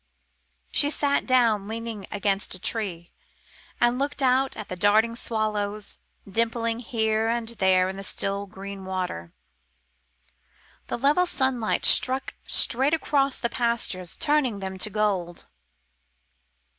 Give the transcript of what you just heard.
She sat down, leaning against a tree, and looked out at the darting swallows, dimpling here and there the still green water. The level sunlight struck straight across the pastures, turning them to gold.